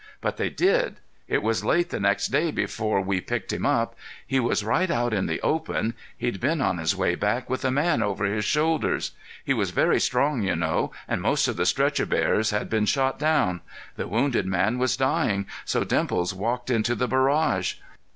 But they did. It was late the next day before we picked him up. He was right out in the open; he'd been on his way back with a man over his shoulders. He was very strong, you know, and most of the stretcher bearers had been shot down. The wounded man was dying, so Dimples walked into the barrage."